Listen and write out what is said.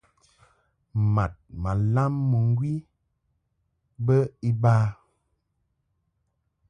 Mad ma lam mɨŋgwi bə iba.